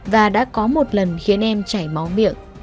và đã có một lần khiến em chảy máu miệng